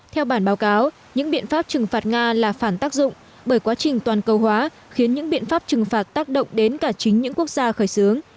theo bản báo cáo những biện pháp trừng phạt nga là phản tác dụng bởi quá trình toàn cầu hóa khiến những biện pháp trừng phạt tác động đến cả chính những quốc gia khởi xướng